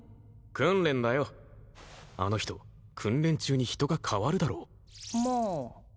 訓練だよあの人訓練中に人が変わるだろまあ